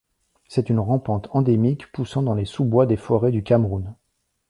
C’est une rampante endémique poussant dans les sous-bois des forêts du Cameroun.